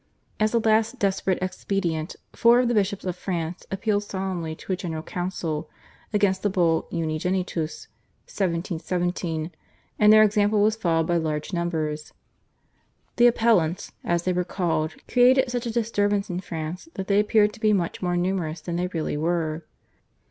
As a last desperate expedient four of the bishops of France appealed solemnly to a General Council against the Bull /Unigenitus/ (1717), and their example was followed by large numbers. The /Appellants/ as they were called created such a disturbance in France that they appeared to be much more numerous than they really were.